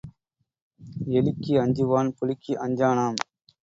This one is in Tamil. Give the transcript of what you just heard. எலிக்கு அஞ்சுவான் புலிக்கு அஞ்சானாம்.